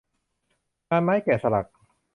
งานไม้แกะสลัก